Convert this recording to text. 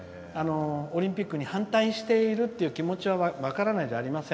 オリンピックに反対している人の気持ちは分からないじゃありません。